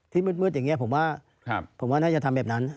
ที่มืดอย่างนี้ผมว่าน่าจะทำแบบนั้น